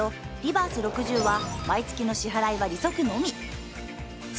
バース６０は毎月の支払いは利息のみ。